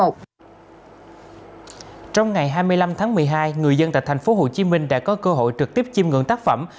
trong ngày hai mươi năm tháng một mươi hai người dân tại thành phố hồ chí minh đã có cơ hội trực tiếp chìm ngưỡng tác phẩm